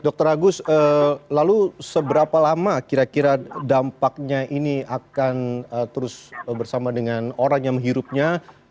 dr agus lalu seberapa lama kira kira dampaknya ini akan terus bersama dengan orang yang menghirupnya